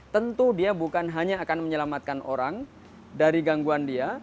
tentu dia bukan hanya akan menyelamatkan orang dari gangguan dia